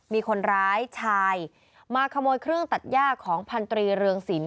มีคนร้ายชายมาขโมยเครื่องตัดย่าของพันธรีเรืองศิลป